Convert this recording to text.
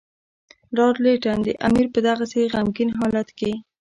لارډ لیټن د امیر په دغسې غمګین حالت کې.